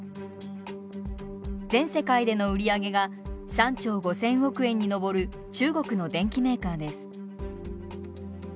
全世界での売り上げが３兆５，０００億円に上る中国の電機メーカーです。